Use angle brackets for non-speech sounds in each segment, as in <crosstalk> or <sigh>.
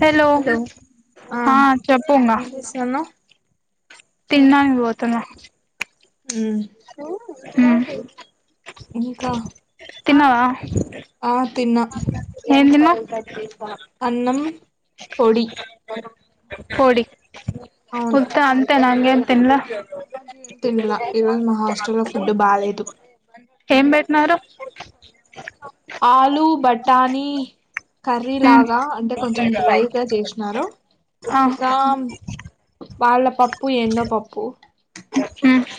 Hello ఆ హా చెప్పు ఇంగా ఏం చేస్తున్నావ్ తిన్డానికి పోతున్న మ్మ్ ఉమ్ ఇంక తిన్నావ ఆ తి ఏం తిన్నావ్ చపాతి అన్నం పొడి కోడి ఉత్తఅంతేనా ఏం తిన్లా తినల ఈరోజు మా హాస్టల్లో ఫుడ్ బాగాలేదు ఏం పెట్టినారు బటాని కర్రీ మ్ లాగా అంటే కొంచెం డ్రైగా చేసినారు ఆ ఇంకా వాళ్ళ పప్పు ఏందో పప్పు హ్మ్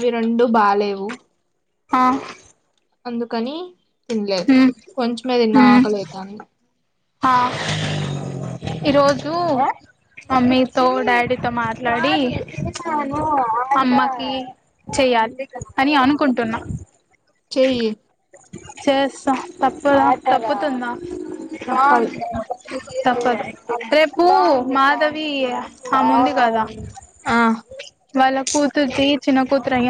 ఈ రెండు బాలేవు ఆ అందుకని తినలేదు మ్ కొంచంమే తిన్న ఆకలి అయితంది అ ఈరోజు మమ్మీతో డాడీతో మాట్లాడి అమ్మ ఇ చెయ్యాలి అని అన్ కుంటున్న చెయ్యి చేస్త తప్పు తప్పుతుందా ఆ తప్పదు తప్పద్ రేపూ మాధవి ఆముంది గదా ఆ వాళ్ళ కూతుర్ది చిన్న కూతురయ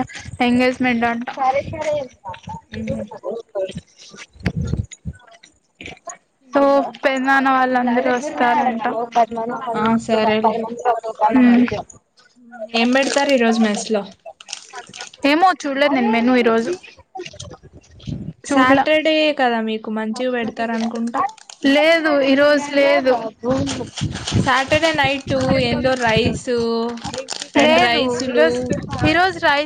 ఎంగేజ్మెంట్ అంట ఉహు సో ఇంగేమి పెదనాన్న వాళ్ళ నా రోజ్ వస్తారంట ఆ సరేలే <unintelligible> <unintelligible> హ్మ్ ఏం పెడతారు ఈరోజు మెస్ లో చూడ్ల నేను మేను ఈ రోజు సాటర్డే కదా మీక్ లేదు ఈరోజ్ లేదు భూమి సాటర్డే నైట్ ఎందో రైస్ రెండు రైసులు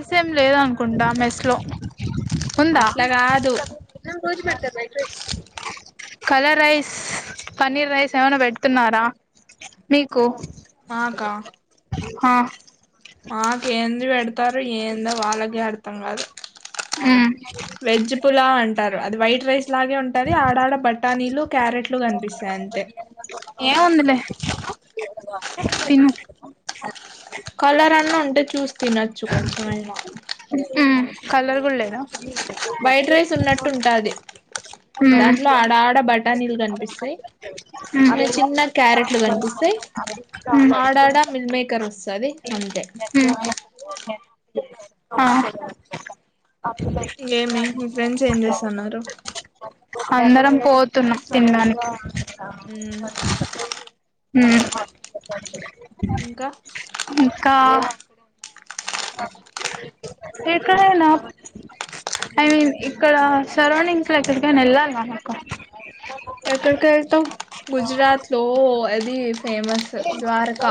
సేమ్ లేదనుకుంటా మెస్లో ఉందా అట్లా కాదు తది కళ రైస్ పన్నీర్ రైస్ ఏమన్న పెడుతున్నారా మీకు మాకా ఆ మాకెంది పెడ్ తరు ఏందో వాళ్ళకే అర్థంకాదు హ్మ్ వెజ్ పులావ్ అం టారు అది వైట్ రైస్ లాగే ఉంటది ఆడా ఆడ బటానీలు ఏం ఉందిలె తిను కలరన్న ఉంటె చూస్ తినచ్చు కొంచం అయినా కలర్ గూడ లేదా వైట్ రైస్ ఉన్నట్టుంటాది దాంట్లో ఆడాడ బట్ ణీలు గన్పిస్తాయి చిన్న చిన్న క్యారెట్లు గనిపిస్తాయి ఆడాడ మిల్ మేకర్ వస్తది అంతే ఆ ఇంకేమి మీ ఫ్రెండ్స్ ఏం జేస్తన్నరు అందరం పోతున్నం తిన్డానికి మ్మ్ హ్మ్ ఇంక ఇంకా ఏకాయనా ఐ మీన్ ఇక్కడ సరౌండింగ్స్ లో ఎక్కడికైనెల్ళాలి మనకు ఎక్కడికెళ్తావ్ గుజరాత్ లో అదీ ఫేమస ద్వారక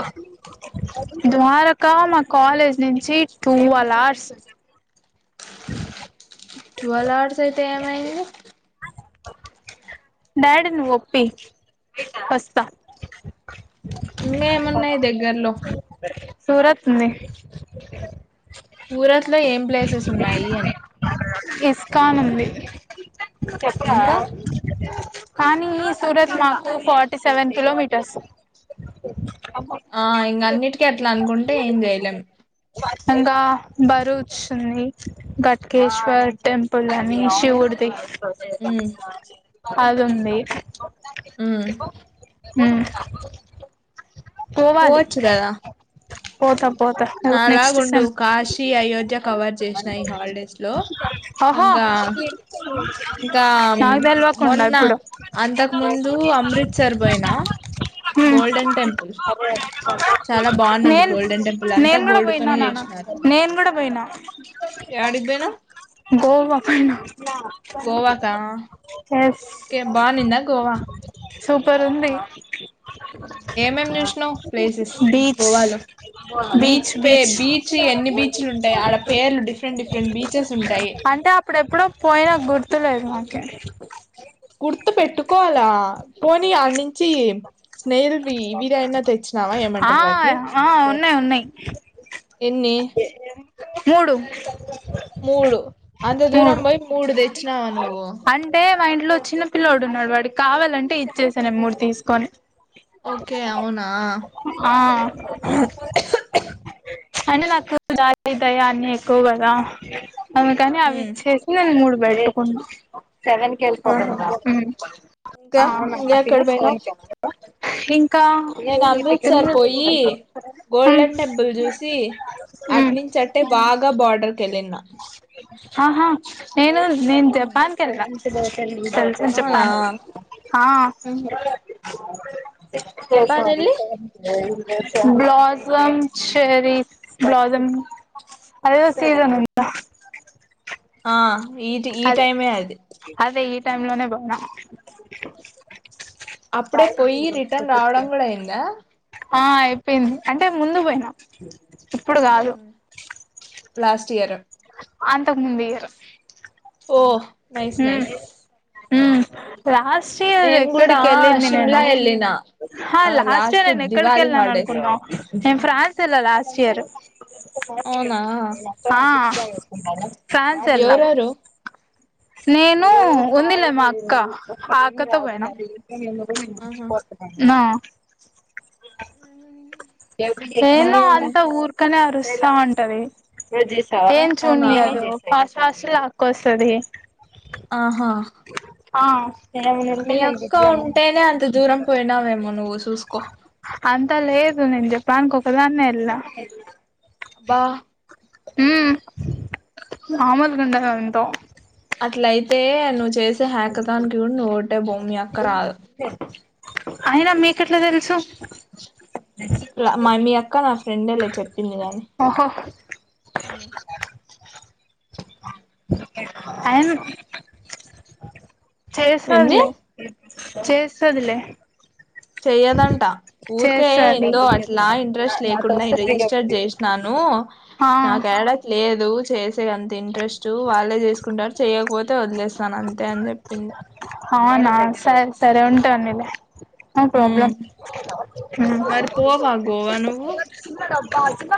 ద్వారకా మా కాలేజ్ నుంచి టూవల్ ఆర్స్ ట్వెల్అవర్స్ అయితే ఏమైంది డాడి ను ఒప్పీ ఒస్తా ఇన్నేమున్నయి దెగ్గర్లో సూరత్ ఉంది సూరత్ లో ఏం ప్లేస్ ప్లేసెస్ వున్నాయి అని ఇస్కానుంది చేప్రా ఇంకా కానీ సూరత్ మాకు ఫార్టీ సెవెన్ కిలోమీటర్స్ ఆ ఇంగ అన్నిట్టికి అట్ల అనుకుం టే ఏం జెయలేం ఇంకా బరువచ్చింది ఘట్కేశ్వర్ టెంపుల్ అని శివుడ్ది మ్మ్ <unintelligible> అదుంది హమ్ హమ్ పోవాలి పోతం నలాగ ఉండు కాశీ అయోధ్య కవర్ చేసినా ఈ హాలిడేస్ లో ఆహా ఇంకా ఇంకా నాకు తెల్వకుండా మొన్న ఇప్పుడు అంతకు ముందు అమృత్సర్ పోయినా గోల్డెన్ టెంపుల్ చాలా బాగుండింది నేన్ గోల్డెన్ టెంపుల్ అంతా నేను కూడ గోల్డ్ పోయినా తోనే నాన్న చేసినారు నేను కూడ పోయినా యాడికి పోయినావ్ గోవ పోయినా గోవాకా ఎస్ ఓకే బాగునిందా గోవా సూపర్ ఉంది ఏమి చూసినావు ప్లేసెస్ బీచ్ గోవాలో బీచ్ పే బీచ్ ఎన్ని బీచ్లు ఉంటాయి ఆడ పేర్లు డిఫరెంట్ డిఫరెంట్ బీచెస్ ఉంటాయి ఆప్పుడు ఎప్పుడో పోయిన గుర్తులేదు మరి గుర్తు పెట్టు కోవాలా పోనీ అనీ తెచ్చినావా ఆ ఏమంటారు వాటిని ఆ ఉన్నాయ్ ఉన్నాయ్ ఎన్నీ మూడు మూడు అంత దూరం మూడు పోయి మూడు తెచ్చినావ నువ్వు అంటే మా ఇంట్లో చిన్న పిల్లోడు ఉన్నాడు వాడికి కావాలంటే ఇచ్చేసాను మూడు తీసుకొని ఓకే అవునా ఆ అంటే నాకు డా మితయాన్ని ఎక్కువ గాద అమె కానీ అవి ఉమ్ ఇచ్చేసి నేను మూడు బడే కొన్ సెవెన్ కి ఆహా వెళ్ళిపోతున్నావా ఇంకా హమ్ ఇంకెక్కడ <unintelligible> సెవెన్ పోయినావ్ కి వెళ్తావా ఇం కా ఈరోజు ఎం సర్ పోయి గోల్డెన్ టెంపుల్ చూసి ఉమ్ అటునుంచి అట్టే బాగా బోర్డర్కి వెళ్ళిన ఆహా నేను నేను జపాన్ కెల్లా జాగ్రత్తగా వెళ్ళమ్మ తెలుస అవునా జపాన్ హా ఉహు. ఓ జపాన్ సారీ వెళ్ళి బ్లాసం చెెరీస్ బ్లాసం అదేదో సీసన్ ఉందా ఆ ఈ ఈ అదే టైమే అది అదే ఈ టైమ్ లోనే బోయిన అప్పుడే పోయి రిటర్న్ రావడం కూడా అయిందా పోయింది అంటే ముందు పోయిన ఇప్పుడు కాదు లాస్ట్ ఇయరు అంతకు ముందుఇయ్యరు ఓ నైస్ ఉమ్ నైస్ ఉమ్ లాస్ట్ ఇయర్ నేను కూడా ఎక్కడికి వెళ్ళింది షిమ్లా నేను వెళ్ళిన హ ఆ లాస్ట్ ఇయర్ నేను ఎక్కడికి దివాళి వెళ్ళను హాలిడేస్ అనుకున్నావ్ నేను ఫ్రాన్స్ ఎళ్లా లాస్ట్ ఇయర్ అవునా ఆ ఫ్రాన్స్ ఎల్ల ఎవరెవరు నేను వుందిలే మా అక్క ఆ అక్కతో పోయిన ఆహా ఆ ఏను ఇంగేమి అంత ఊర్కనే అరు స్థా ఉంటది ఏం అవునా చేయినియదు ఫాస్ట్ క్లాస్ లాక్కవస్తది ఆహా ఆ మీ అక్క ఉంటేనే అంత దూరం పోయినావేమో నువ్వు స్కూ అంత లేదు నేన్ జెప్ దానికి ఒక్క దాన్నే వెళ్ళ అబ్బా ఊమ్ మామల్ గుండద్ వాన్తో అట్లయితే నువ్వు చేస్ హేకతాన్ కూడ నువ్ ఒకటే బో మీ అక్క రాదు అయినా మీకెట్ల తెలుసు ల మమీయా క్క మా ఫ్రెండ్ లే చెప్ ఓహో అయన ఏంది చేస్డలే చేస్స్తదిలే చెయ్యదంట ఊరికే ఎందో అట్లా ఇంట్రెస్ట్ లేకుండ రిజిస్టర్ చేసినాను ఆ నాకు ఏడ లేదు చేసే అంత ఇంట్రెస్టూ వాళ్ళే చేసుకుంటారు. చేయకపోతే వదిలేస్తా అవునా సర సరే ఉంటే ఉన్నిలే నో ప్రాబ్లం ఉమ్ మరి పోవా గోవా నువ్వు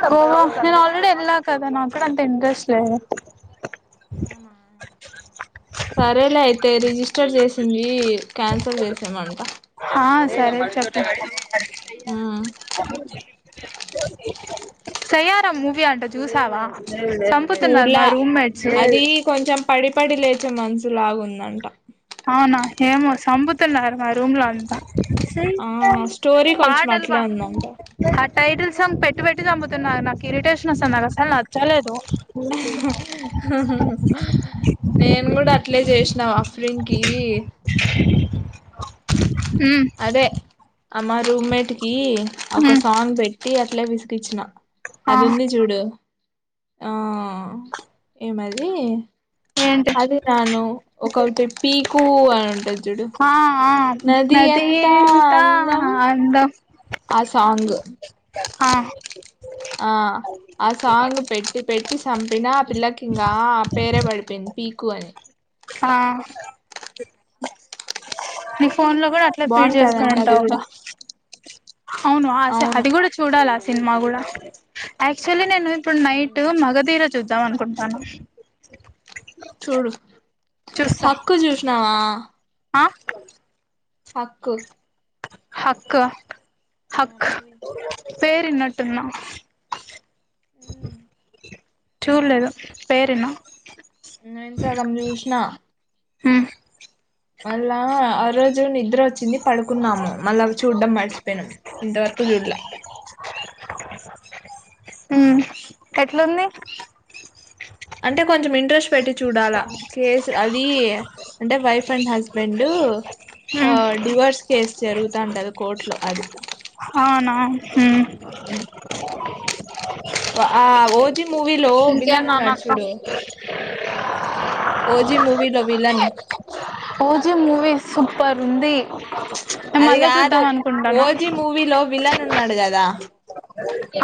ఉమ్ గోవా నేను ఆల్రెడీ ఎళ్ళా కదా నాకూడ అంత ఇంట్రెస్ట్ లేదు. అవునా సరేలే అయితే రిజిస్టర్ చేసింది క్యాన్సల్ చేసేమంట. ఆ సరే చెప్తా సయ్యార మూవి అంటా జూసావా సంపుతున్నర్ మా చూడలా రూమ్మేట్స ప్పడి లేచే మనసు లాగుందంట అవున ఏమో సంపుతున్నార్ మా రూంలో అంత ఆ స్టోరీ కొంచెం పాటల్ పా అట్లే ఉందంట టైటిల్స్ సాంగ్ పెట్టి పెట్టి చంపుతున్నార్ నాకు ఇరిటేషన్ ఒస్తాంది నాక్ అసలు నచ్చలేదు ఆహా హాహా నేను కూడా అట్లే చేసినా అఫ్రిన్ కీ ఉహ్ అ మా రూమ్మేట్ కీ ఒక సాంగ్ పెట్టి అ ఇట్లే విస్కిచిన ఆ అదుంది చూడు ఆ ఏమదీ ఏంటి అది నన్ను ఒకటి పీ <unintelligible> కు అనంటుది హా ఆ ఆ నదీంతా అందం అందం ఆ సాంగ్ ఆ ఆ ఆ సాంగ్ పెట్టి పెట్టి సంపినా ఆ పిల్లకి ఇంకా పేరే పడిపోయింది పీక్ కువన్ <unintelligible> ఆ ఫోన్ లో గుడ అట్లే ఫీడ్ చేసుకోని బాగుంటదంట అది ఉంటవుగా కూడా అవును ఆస అవును అది కూడా చూడాలి సిన్మా కూడ యాక్చుయల్లీ నేను ప నైట్ మగదీర చూద్దాం అనుకుంటున్నాను చూడు హక్కు చూసినావా ఆ హక్కు హక్కు ఆ హక్ మూవీ పేరు వినటున్నా యు <unintelligible> చూడలేదు పేరు విన్నా నేను సగం చూసిన ఉమ్ మళ్ళా ఆ ఆ రోజు నిద్ర వచ్చింది పడుకున్నాము మళ్లా చూడ్డం మర్చిపోయినాము ఇంతవరకు చూడల ఉ ఎట్లుంది అంటే కొంచెం ఇంట్రెస్ట్ పెట్టి చూడాలా కేసు అద్ అదీ. అంటే వైఫ్ అండ్ హస్బెండా ఆ ఉమ్ డివోర్స్ కేస్ జరుగుతా ఉంటది కోర్టు లో అది. అవునవును హ్మ ఆ ఓ జి మూవీలో ఇంకేం విలన్ ఉన్నాడు నానక్క చూడూ. ఓజీ మూవీలో విలన్. ఓజీ మూవీ సూపర్ ఉంది. నేను అది మళ్ళా గాదు చూద్దాం అనుకుంటాను ఓజీ మూవీలో విలన్. ఉన్నాడు గదా.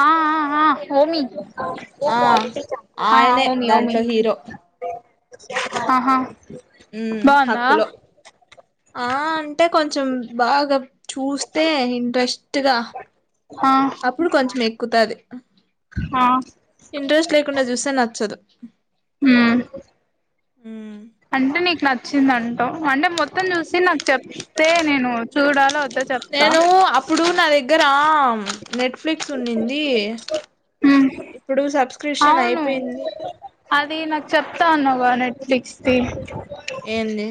ఆ ఆ ఆ ఓమి. ఆ ఆయనే ఓమి ఓమి దాంట్లో హీరో. ఆహా మ్ బాగుందా. హక్కులో ఆ అంటే కొంచెం బాగా చూస్తే ఇంట్రెస్ట్గా. ఆ అప్పుడు కొంచెం ఎక్ క్కుతది. ఆ ఇంట్రెస్ట్ లేకుండా చూస్తే నచ్చదు. హ్మ ఉమ్. అంటే నీకు నచ్ చ్చిందంటవ్. అంటే మొత్తం చూసి నాకు చెప్తే నేనూ చూడాలో వద్ నేనూ అప్పుడూ నా దగ్ రామ్ నెట్ఫ్లిక్స్ ఉండిందీ. ఉమ్ ఇప్పుడు సబ్స్క్రిప్షన్ అవును అయిపోయింది. ఫ్లిక్స్ దీ ఏంది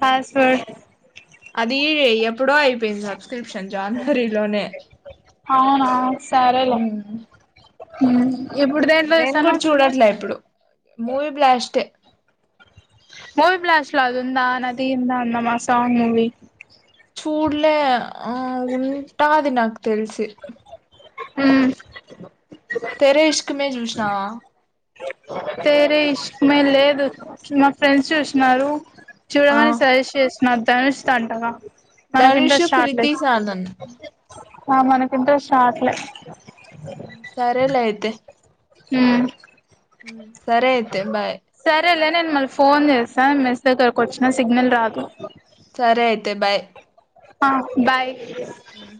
పాస్వర్డ్ అదీ ఎప్ ప్పుడో అయిపోయింది సబ్స్క్రిప్షన్ జాన్వరీలోనే అవునా ఊ హ్మ నేను కూడ చూడట్లే ఇప్పుడు. మూవీ బ్లాస్టే. మూవీ బ్లాస్ట్ లో అదుందా నది ఎంతా అందమా సాంగ్ మూవీ. చూడ్లే ఆ ఉంటాది నాకు తెల్సి మ్మ్ తెరీష్క్ క్ మే చూసినవా తేరే ఇష్క్ మే లేదు మా ఫ్రెండ్స్ చూసినారు చూడ ఆ మని సజెస్ట్ చేసి నాద్ దనుష్ దంటగా మనకి ధనుషు ఇంట్రెస్ట్ రాట్లేదు క్రితిసానన్ ఆ మనకు ఇంట్రెస్ట్ రాట్లే సర్ వెల్ అయితే మ్మ్ సరే అయితే బాయ్ సరే లే నేను మళ్ళీ ఫోన్ చేస్తా మెస్ దగ్గరకు వచ్చిన సిగ్నల్ రాదు సరే అయితే బాయ్ హా బాయ్ మ్